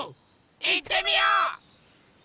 いってみよう！